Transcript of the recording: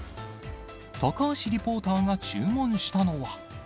高橋リポーターが注文したのは。